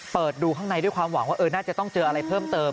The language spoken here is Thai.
เปิดดูข้างในด้วยความหวังว่าน่าจะต้องเจออะไรเพิ่มเติม